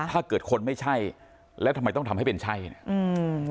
ถ้าเกิดคนไม่ใช่แล้วทำไมต้องทำให้เป็นใช่เนี่ยอืม